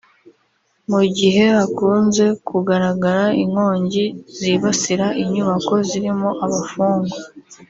mu gihe hakunze kugaragara inkongi zibasira inyubako zirimo abafungwa